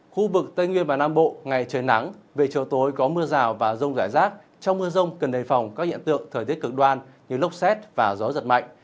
khu vực tây nguyên và nam bộ ngày trời nắng về chiều tối có mưa rào và rông rải rác trong mưa rông cần đề phòng các hiện tượng thời tiết cực đoan như lốc xét và gió giật mạnh